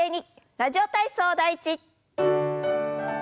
「ラジオ体操第１」。